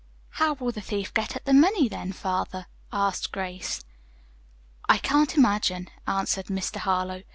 "How will the thief get at the money, then, father?" asked Grace. "I can't imagine," answered Mr. Harlowe.